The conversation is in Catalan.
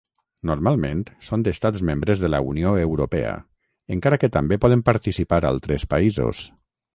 Normalment són d'Estats membres de la Unió Europea, encara que també poden participar altres països.